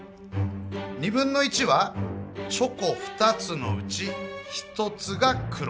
1/2はチョコ２つのうち１つが黒。